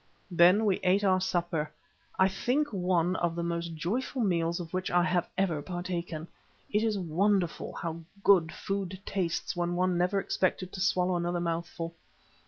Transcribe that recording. Then we ate our supper; I think one of the most joyful meals of which I have ever partaken. It is wonderful how good food tastes when one never expected to swallow another mouthful.